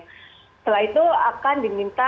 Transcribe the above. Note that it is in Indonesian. setelah itu akan diminta